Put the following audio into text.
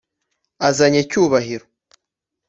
azanye cyubahiro